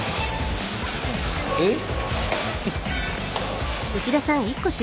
えっ？